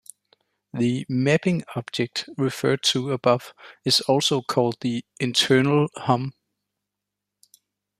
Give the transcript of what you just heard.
The 'mapping object' referred to above is also called the 'internal Hom'.